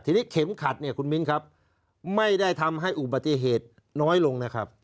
ทีนี้เข็มขัดเนี่ยคุณมิ้นครับไม่ได้ทำให้อุบัติเหตุน้อยลงนะครับ